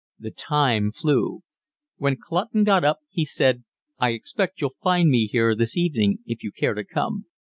The time flew. When Clutton got up he said: "I expect you'll find me here this evening if you care to come.